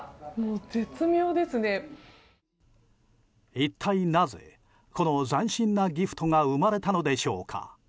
一体なぜ、この斬新なギフトが生まれたのでしょうか。